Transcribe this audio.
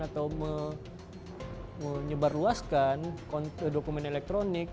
atau menyebarluaskan dokumen elektronik